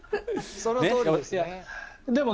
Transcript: そのとおりですね。